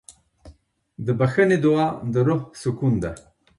د بښنې دعا د روح سکون ده.